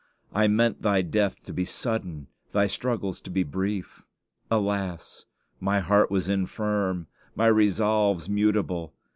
I meant thy death to be sudden, thy struggles to be brief. Alas! my heart was infirm, my resolves mutable.